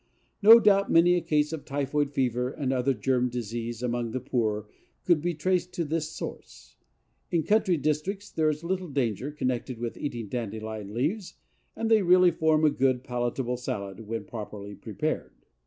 No doubt many a case of typhoid fever or other germ disease among the poor could be traced to this source. In country districts there is little danger connected with eating Dandelion leaves, and they really form a good, palatable salad when properly prepared.